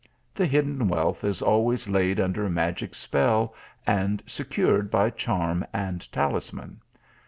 The hidden wealth is always laid under magic spell, and secured by charm and talisman.